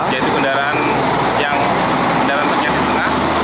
yaitu kendaraan yang kendaraan terkini setengah